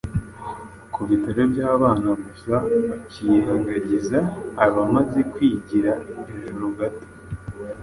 ku bitabo by’abana gusa bakirengagiza abamaze kwigira ejuru gato.